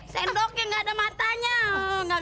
sendoknya gaada matanya